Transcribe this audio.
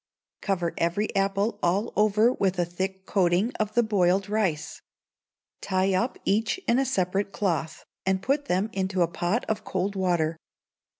Cover every apple all over with a thick coating of the boiled rice. Tie up each in a separate cloth, and put them into a pot of cold water.